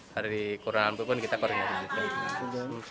hari di kurang ampuk pun kita koordinasi